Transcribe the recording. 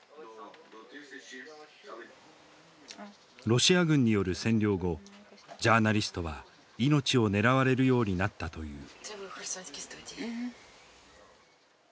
ロシア軍による占領後ジャーナリストは命を狙われるようになったという。